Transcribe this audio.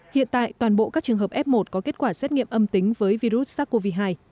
hiện tại toàn bộ các trường hợp f một có kết quả xét nghiệm âm tính với virus sars cov hai